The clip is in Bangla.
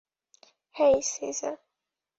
হেই, সিজার!